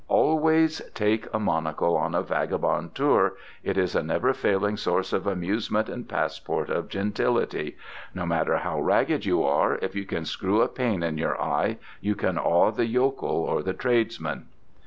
Always take a monocle on a vagabond tour: it is a never failing source of amusement and passport of gentility. No matter how ragged you are, if you can screw a pane in your eye you can awe the yokel or the tradesman.